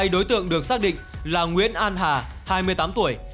hai đối tượng được xác định là nguyễn an hà hai mươi tám tuổi